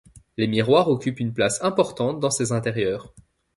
Les miroirs occupent une place importante dans ses intérieurs.